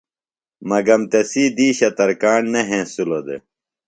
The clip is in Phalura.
مگم تسی دِیشہ ترکاݨ نہ ہینسِلوۡ دےۡ۔